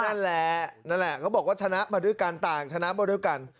นั่นแหละนั่นแหละเขาบอกว่าชนะมาด้วยกันต่างชนะมาด้วยกัน